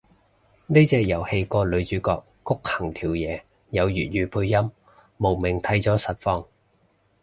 呢隻遊戲個女主角谷恆條嘢有粵語配音，慕名睇咗實況